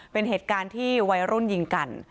เป็นเหตุการณ์ที่วัยรุ่นยิงกัน